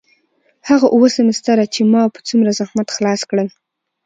هغه اووه سمستره چې ما په څومره زحمت خلاص کړل.